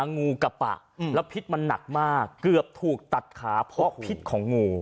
งูกระปะแล้วพิษมันหนักมากเกือบถูกตัดขาเพราะพิษของงู